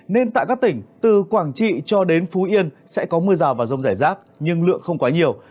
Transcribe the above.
nên tại các tỉnh từ quảng trị cho đến phú yên sẽ có mưa rào và rông rải rác nhưng lượng không quá nhiều